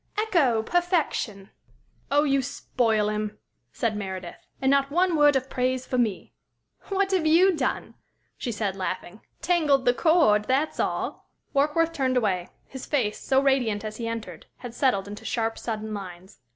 Ecco! Perfection!" "Oh, you spoil him," said Meredith, "And not one word of praise for me!" "What have you done?" she said, laughing. "Tangled the cord that's all!" Warkworth turned away. His face, so radiant as he entered, had settled into sharp, sudden lines.